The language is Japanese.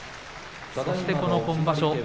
そして今場所